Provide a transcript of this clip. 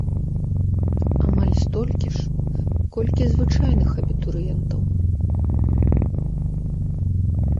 Амаль столькі ж, колькі звычайных абітурыентаў!